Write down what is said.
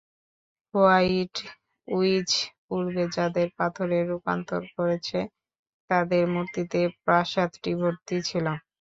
White witch পূর্বে যাদের পাথরে রুপান্তর করেছে তাদের মূর্তিতে প্রাসাদটি ভর্তি ছিল।